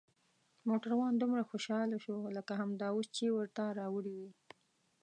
موټروان دومره خوشحاله شو لکه همدا اوس چې ورته راوړي وي.